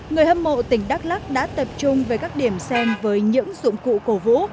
người hâm mộ tỉnh đắk lắc đã tập trung về các điểm xem với những dụng cụ cổ vũ